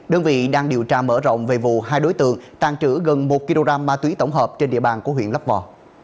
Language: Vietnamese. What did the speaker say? đơn vị đang điều tra mở rộng về vụ hai đối tượng tàn trữ gần một kg ma túy tổng hợp trên địa bàn của huyện lấp vò